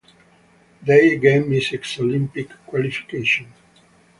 They again missed Olympic qualification.